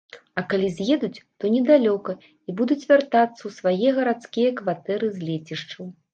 А калі з'едуць, то недалёка і будуць вяртацца ў свае гарадскія кватэры з лецішчаў.